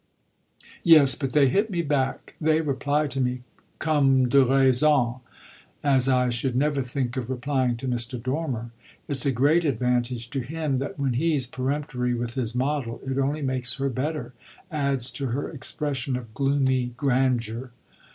"Yes, but they hit me back; they reply to me comme de raison as I should never think of replying to Mr. Dormer. It's a great advantage to him that when he's peremptory with his model it only makes her better, adds to her expression of gloomy grandeur."